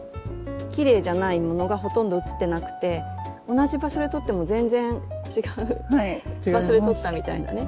きれいじゃないものがほとんど写ってなくて同じ場所で撮っても全然違う場所で撮ったみたいなね